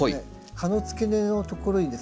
葉の付け根のところにですね